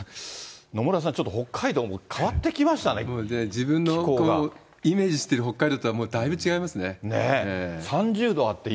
野村さん、ちょっと北海道も変わってきましたね、自分のイメージしてる北海道とはだいぶ違いますね。